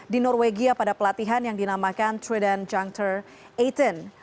di norwegia pada pelatihan yang dinamakan trident juncture delapan belas